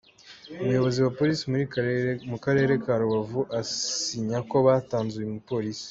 Umuyobozi wa Police mu karere ka Rubavu asinya ko batanze uyu mupolisi